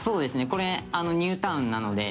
これニュータウンなので。